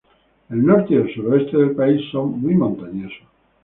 El norte y el suroeste del país son muy montañosos.